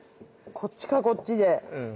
こっちかこっちで。